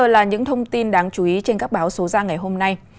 bây giờ là những thông tin đáng chú ý trên các báo số ra ngày hôm nay